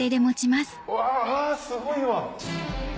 うわあすごいわ。